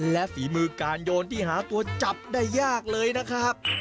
และฝีมือการโยนที่หาตัวจับได้ยากเลยนะครับ